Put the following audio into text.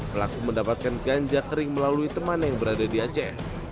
pelaku mendapatkan ganja kering melalui teman yang berada di aceh